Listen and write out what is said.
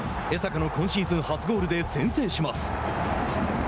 江坂の今シーズン初ゴールで先制します。